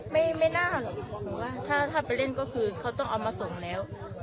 ไม่น่าหรอก